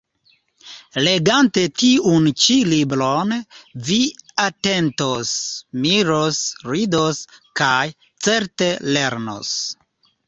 Legante tiun ĉi libron, vi atentos, miros, ridos kaj, certe, lernos.